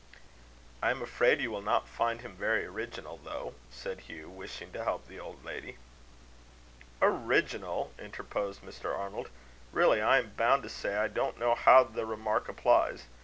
"I am afraid you will not find him very original, though," said Hugh, wishing to help the old lady. "Original!" interposed Mr. Arnold. "Really, I am bound to say I don't know how the remark applies.